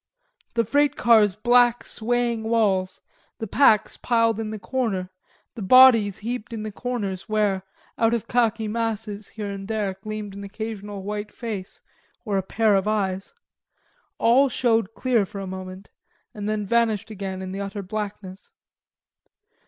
The freight car's black swaying walls, the packs piled in the center, the bodies heaped in the corners where, out of khaki masses here and there gleamed an occasional white face or a pair of eyes all showed clear for a moment and then vanished again in the utter blackness.